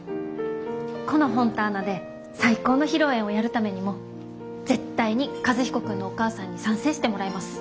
このフォンターナで最高の披露宴をやるためにも絶対に和彦君のお母さんに賛成してもらいます。